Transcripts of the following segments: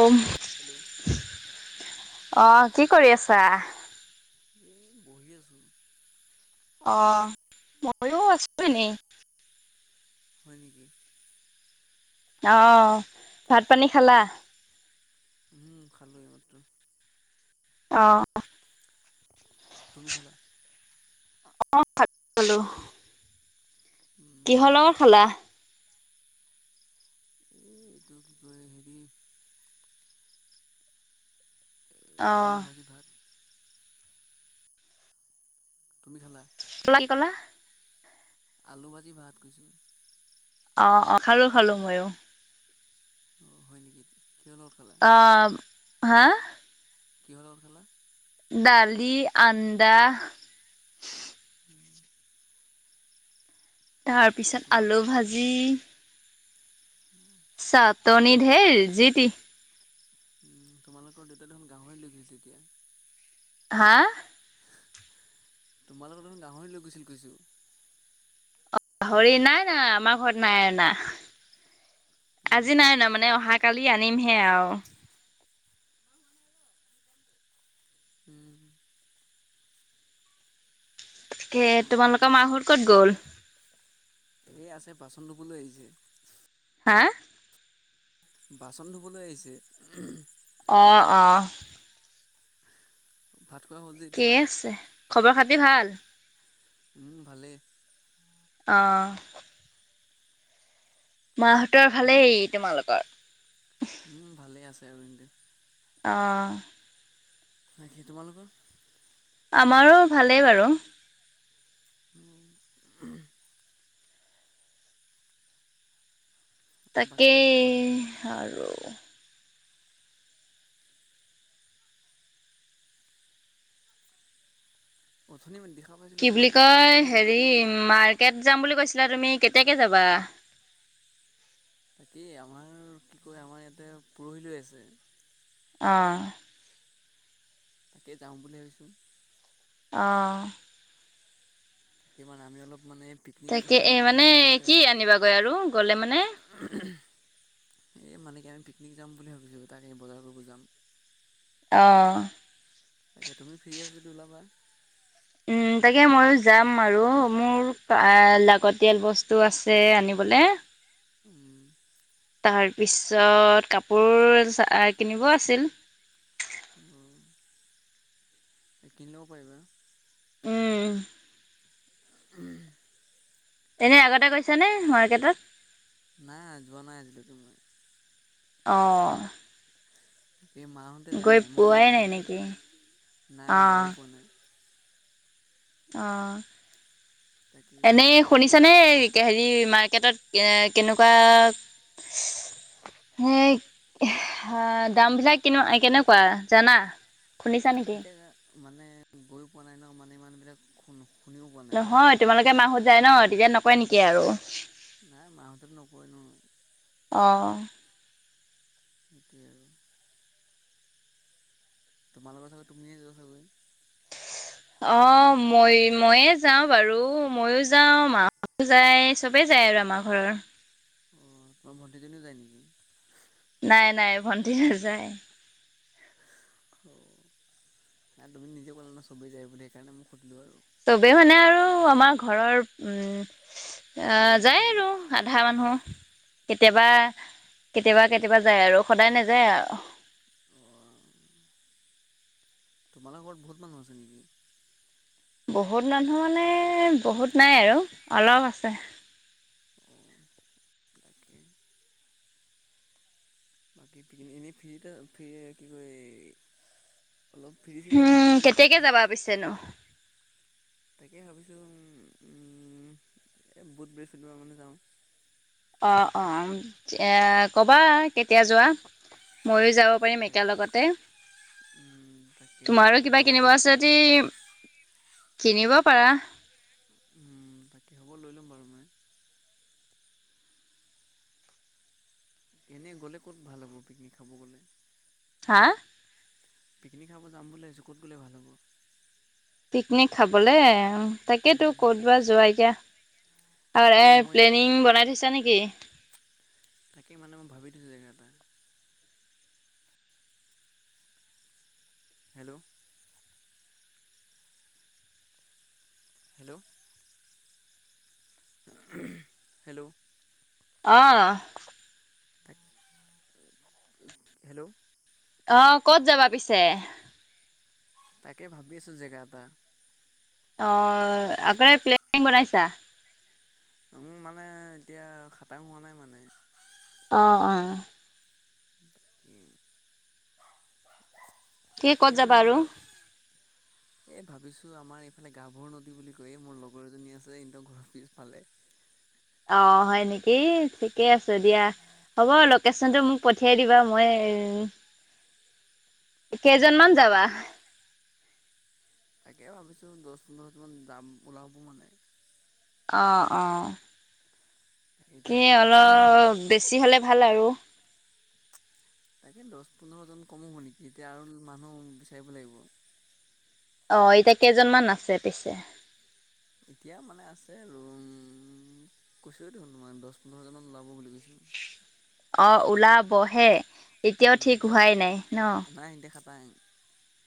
অম hello অ কি কৰি আছা এ বহি আছো আহ মইয়ো আছো এনেই। হয় নেকি। আহ ভাত পানী খালা। উম খালো এই মাত্ৰ। অ। তুমি খালা অলো উম কিহৰ লগত খালা? এইটো কি কয় হেৰি। এ অ আলু ভাজি ভাত। তুমি খালা? কি কলা- কি কলা? আলু ভাজি ভাত কৈছো। অহ - অহ খালো -খালো মইয়ো। অহ, হয় নেকি কিহৰ লগত খালা? অ হা? কিহৰ লগত খালা? দালি, আন্দা তাৰ এতিয়া পিছত তোমালোকৰ আলু ভাজি চাতনী ঢেৰ যিটি উম, তোমালোকৰ দেউতা দেখোন গাহৰি লৈ গৈছে এতিয়া। হা? তোমালোকৰ দেখোন গাহৰি লৈ গৈছিল কৈছো। গাহৰি নাই অনা আমাৰ ঘৰত নাই আনা আজি অঁ নাই অনা মানে অহা কালি আনিমহে আও। উম ধে তোমালোকৰ মাহত ক'ত গ'ল? এই আছে বাচন ধুবলৈ আহিছে। হা? বাচন ধুবলৈ আহিছে। অ', - অ', ভাত খোৱা হ'ল যে এতিয়া ঠিকেই আছে খবৰ খাতি ভাল? উম, ভালে। অহ মাহঁতৰ হা ভালেই তোমালোকৰ? উম, ভালে আছে আৰু নদিয়া। অহ বাকী তোমালোকৰ? আমাৰো ভালেই বাৰু। উম বাকী আৰু কোৱা তাকেই আৰু অথনি মান দিয়া কি বুলি কয় হেৰি মাৰ কেট যাম বুলি কৈছিলা তুমি কেতিয়াকে যাবা? তাকেই আমাৰ কি কয় আমাৰ ইয়াতে পৰহিলৈ আছে। অহ তাকে যাওঁ বুলি ভাবিছোঁ। অহ তাকে মানে আমি অলপ মানে পিকনিক খাব তাকে এ যাম বুলি মানে কৈছোঁ কি তাকে আনিবাগৈ আৰু গ'লে মানে এই মানে কি আমি পিকনিক যাম বুলি ভাবিছো তাক এই বজাৰ কৰিব যাম। অহ তাকে তুমি ফ্ৰী আছ যদি ওলাবা? উম, তাকে মইও যাম আৰু মোৰ লাগতিয়াল বস্তু আছে আনিবলৈ। [unintelligible] উম তাৰ পিছত কাপোৰ কিনিব আছিল। এ কিনিলব পাৰিবা। উম উম [unintelligible] এনে আগতে গৈছে নে মাৰ্কেটত নাই যোৱা নাই আজিলৈকে মই অঁ এই মাহঁতে যায় গৈ মানে মোক পোৱাই যাবই নাই নিদিয়ে নেকি যে নাই যায় পোৱা নাই [unintelligible] অ তাকে এনেই পিকনিক শুনিছানে হেৰি মাৰ্কেটত কেনেকুৱা হেই দাম বিলাক কি কেনেকুৱা জানা শুনিছা নেকি? এতিয়া মানে গৈ পোৱা নাই ন মানে ইমান বিলাক শুনো [unintelligible] নহয় তোমালোকে মাহত যায় ন তেতিয়া নকয় নেকি আৰু নাই মাহঁতে নকয়নো [unintelligible] অঁ সেইটোৱে আৰু তোমালোকৰ চাগে তুমিয়ে যোৱা চাগৈ। অঁ মই মইয়ে যাওঁ বাৰু মইও যাওঁ মাও- যায় চবে যায় আৰু আমাৰ ঘৰৰ। উম তোমাৰ ভণ্টিজনীও যায় নেকি? নাই নাই ভণ্টি নাযায়। অঁ না তুমি নিজে ক'লা ন চবেই যায় বুলি সেইকাৰণে মই সুধিলো আৰু। চবেই মানে আৰু আমাৰ ঘৰৰ উম- আহ পৰিয়ালটো যায় চাগৈ। আৰু আধা মানুহ। কেতিয়াবা কেতিয়াবা কেতিয়াবা যায় আৰু সদায় নাযায় আৰু। অ' তোমালোকৰ ঘৰত বহুত মানুহ আছে নেকি? বহুত মানুহ মানে বহুত নাই আৰু অলপ আছে। অ' তাকে। বাকী পিকিন এনেই ফি ফি কি কয়- [unintelligible] চিৰি আছে উম যদি বোলে কেতিয়াকে যাবা পিছেনো? তাকে ভাবিছোঁ বুধ বৃহস্পতিবাৰ মানে যাম। অঁ অঁম এ কবা কেতিয়া যোৱা মইয়ো- [unintelligible] যাব পাৰিম তাক একেলগতে উম তাকে তোমাৰো কিবা ওলাবা কিনিব দিয়া আছে যদি- কিনিব পাৰা। উম তাকে হ'ব লৈ ল'ম বাৰু মই। এনেই গ'লে ক'ত ভাল হ'ব পিকনিক খাব গ'লে। হাঁ? পিকনিক খাব যাম বুলি ভাবিছো ক'ত গ'লে ভাল হ'ব? পিকনিক খাবলে তাকেইতো উম ক'ত বা যোৱা এতিয়া। আৰু তাকেই এ মই প্লেনিং বনায় থৈছা নেকি? তাকে মানে মই ভাবি থৈছোঁ জেগা এটা। [unintelligible] হেল্ল'। হেল্ল'। হেল্ল'। অহঁ। হেল্ল'। অহঁ ক'ত যাবা পিছে? তাকে ভাবি আছো জেগা এটা। অঁ আগতে প্লেনিং বনাইছা। প্লেনিং মানে এতিয়া খাটাং হোৱা নাই মানে। অঁ অঁ। কি ক'ত যাবা আৰু? এ ভাবিছো আমাৰ এইফালে গাভৰু নদী বুলি কয় মোৰ লগৰ এজনী আছে ইহঁতৰ ঘৰৰ পিছফালে। [unintelligible] [unintelligible] অ হয় নেকি ঠিকে আছে দিয়া। হ'ব লোকেশ্যনটো মোক পঠিয়াই দিবা। মই কেইজনমান উম যাবা? তাকে ভাবিছোঁ দহ পোন্ধৰজন মান যাম ওলাব মানে। অঁ অ। তাকে কি এতিয়া অলপ বেছি হলে ভাল আৰু। [unintelligible] তাকে দহ পোন্ধৰজন কম হ'ব নেকি এতিয়া আৰু মানুহ বিচাৰিব লাগিব। অঁ এতিয়া কেইজনমান আছে পিছে। এতিয়া মানে আছে আৰু উম কৈছোই দেখোন তোমাৰ দহ পোন্ধৰজন ওলাব বুলি কৈছো। [unintelligible] অঁ ওলাবহে এতিয়াও উম ঠিক হোৱাই নাই ন। [unintelligible]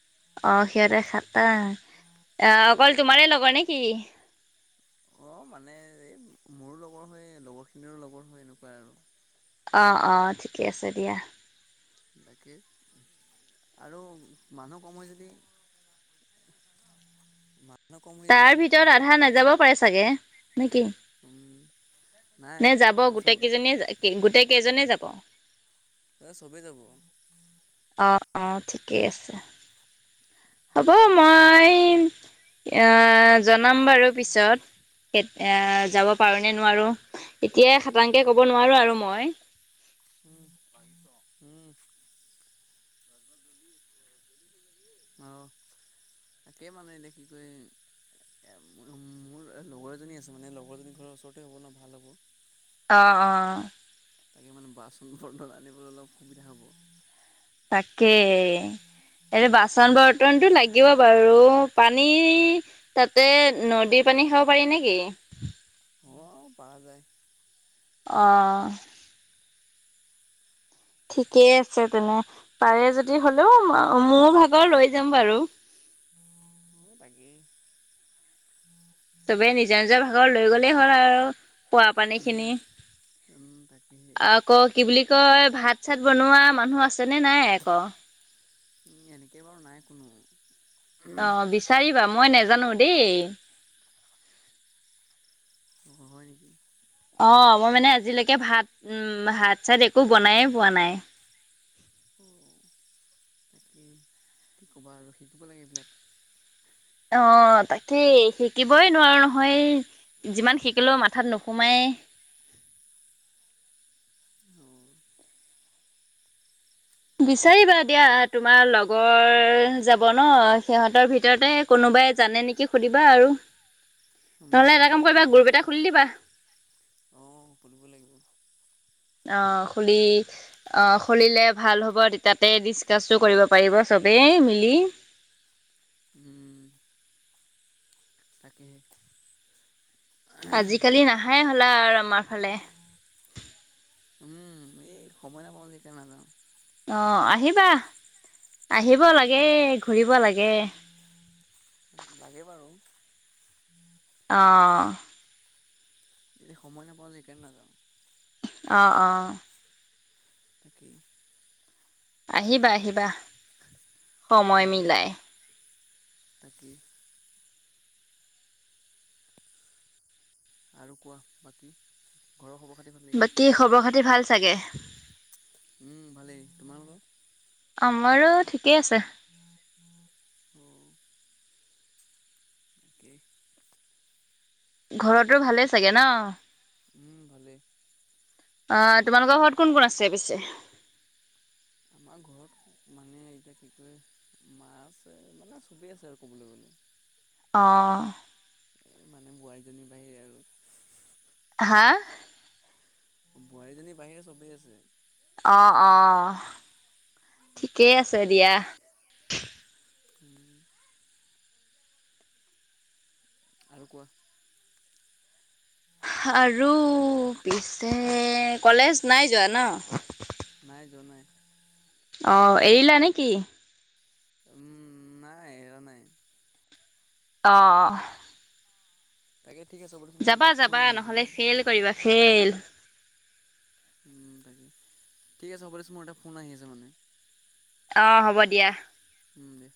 অঁ সিহঁতে খাতা অহ অকল তোমাৰে লগৰ নেকি। অ মানে এই মোৰো লগৰ হয় লগৰখিনিৰো লগৰ হয় এনেকুৱাই আৰু। অঁ অঁ ঠিকে আছে দিয়া। বাকী আৰু মানুহকম হয় যদি। মা। তাৰ ভিতৰত আধা নাযাব পাৰে চাগে নেকি। উম নাই নে যাব চব গোটেই কেইজনীয়ে গোটেই কেইজনে যাব। এ চবেই যাব। অ অ ঠিকেই আছে হ'ব তাকে মানে মই। এ জনাম বাৰু পিছত এ যাব পাৰো নে নোৱাৰো। এতিয়া খাাতংকে কব নোৱাৰো আৰু মই। [unintelligible] অ [unintelligible] মোৰ লগৰ এজনী আছে মানে লগৰজনী ঘৰৰ ওচৰতে হব ন ভাল হ'ব। অ অ তাকে মানে বাচন বৰ্তন আনিবলৈ অলপ সুবিধা হ'ব। তাকেই। এনে বাচন বৰ্তনটো লাগিব বাৰু পানী তাতে নদীৰ পানী খাব পাৰি নেকি। পৰা যায়। অঁ ঠিকেই আছে তেনে পাৰে যদি হলেও মোৰ ভাগৰ লৈ যাম বাৰু। তাকেই। চবেই নিজৰ নিজৰ ভাগৰ লৈ গ'লেই হ'ল আৰু। পোৱা পানী খিনি তাকেহে আকৌ কি বুলি কয়। ভাত চাত বনোৱা মানুহ আছেনেে নাই আকৌ। উম এনেকে বাৰু নাই কোনো। অ বিচাৰিবা মই নজানো দেই। অ হয় নেকি। অ মই মানে আজিলৈকে ভাত উম ভাত চাত একো বনাইে পোৱা নাই। অ তাকেই কি কবা আৰু শিকিব লাগে এইবিলাক। অ তাকেই শিকিবই নোৱাৰো নহয়। যিমান শিকিলোও মাথাত নোসোমাই। [unintelligible] অ' বিচাৰিবা দিয়া তোমাৰ লগৰ যাব ন সিহঁতৰ ভিতৰতে কোনো। বাই জানে নেকি সুধিবা আৰু নহলে এটা কাম তাকে কৰিবা গুৰূপটা খুলি দিবা। অ খুলিব লাগিব। অ খুলি অ খুলিলে ভাল হ'ব তাতে ডিচকাছো কৰিব পাৰিব চব। দেই মিলি। উম। তাকে। আজিকালি নাহাই হ'লা আৰু আমাৰ ফালে। উম এই সময় নাপাওঁ যে সেইকাৰণ নাাজাওঁ। অ আহিবা। আহিব লাগে তাকে ঘূৰিব লাগে। লাগে বাৰু অ। যদি সময় নাপাওঁ যে সেইকাৰণে নাযাওঁ। অ অ। তাকে। আহিবা আহিবা সময় মিলাই। তাকে। আৰু কোৱা বাকি ঘৰৰ খব। বাকী খবৰ খাতি ভাল চাগে। উম ভালেই তোমাৰ লগৰ আমাৰো ঠিকেই আছে। [inaudible] [inaudible] ঘৰতো ভালে চাগে ন উম ভালেই আহ তোমালোকৰ ঘৰত কোন কোন আছে পিছে আমাৰ ঘৰত মানে এতিয়া কি কয় মা আছে মানে চবে আছে আৰু ক'বলৈ গলে [inaudible] অঁ মানে বোৱাৰীজনীৰ বাহিৰে আৰু হা বোৱাৰীজনীৰ বাহিৰে চবেই আছে অ অ ঠিকেই আছে দিয়া উ আৰু কোৱা আৰু পিছে কলেজ নাই যোৱা ন নাই যোৱা নাই অ এৰিলা নেকি? উম নাই এৰা নাই অ তাকে ঠিক আছে হ'ব দেচোন মোক যাবা এটা ফোন যাবা আহি আছে নহ'লে মানে ফেইল কৰিবা ফেইল উম তাকেই ঠিক আছে মোৰ এটা ফোন আহি আছে মানে অ হ'ব দিয়া। উম দিয়া